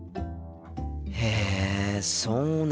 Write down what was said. へえそうなんだ。